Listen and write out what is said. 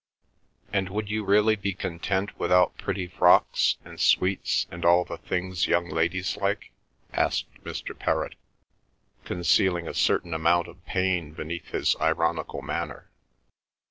"And would you really be content without pretty frocks and sweets and all the things young ladies like?" asked Mr. Perrott, concealing a certain amount of pain beneath his ironical manner.